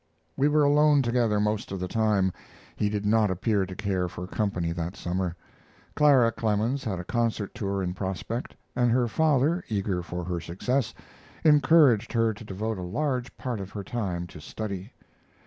We were alone together most of the time. He did not appear to care for company that summer. Clara Clemens had a concert tour in prospect, and her father, eager for her success, encouraged her to devote a large part of her time to study.